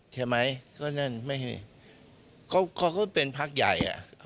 ใช่ไหมก็นั่นไม่เขาก็เป็นพักใหญ่